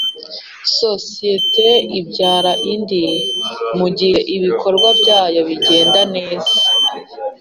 sosiyete ibyara indi mugihe ibikorwa byayo bigenda neza